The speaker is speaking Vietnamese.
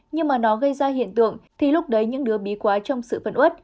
nhưng mà nó gây ra hiện tượng thì lúc đấy những đứa bí quá trong sự phân uất